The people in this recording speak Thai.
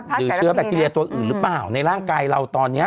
หรือเชื้อแบคทีเรียตัวอื่นหรือเปล่าในร่างกายเราตอนนี้